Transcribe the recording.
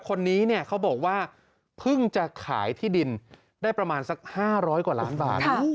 คนนี้เนี่ยเขาบอกว่าเพิ่งจะขายที่ดินได้ประมาณสัก๕๐๐กว่าล้านบาท